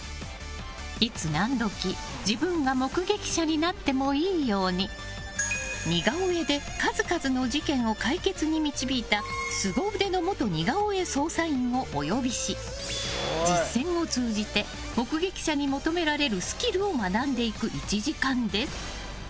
いつ何時、自分が目撃者になってもいいように似顔絵で数々の事件を解決に導いたスゴ腕の元似顔絵捜査員をお呼びし実践を通じて目撃者に求められるスキルを学んでいく１時間です。